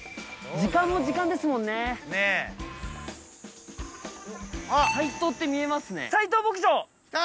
時間も時間ですもんねねえあっ斉藤って見えますね来た！